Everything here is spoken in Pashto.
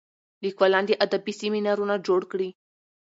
لیکوالان دي ادبي سیمینارونه جوړ کړي.